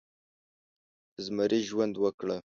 د زمري ژوند وکړه